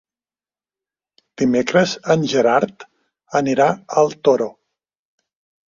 Dimecres en Gerard anirà al Toro.